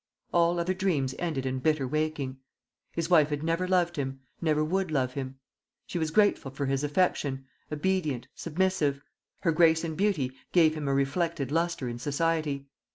All other dreams ended in bitter waking. His wife had never loved him, never would love him. She was grateful for his affection, obedient, submissive; her grace and beauty gave him a reflected lustre in society.